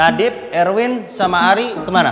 adib erwin sama ari kemana